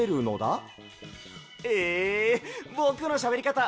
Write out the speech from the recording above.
えぼくのしゃべりかた